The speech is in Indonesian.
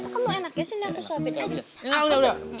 kamu enak ya sini aku siapin aja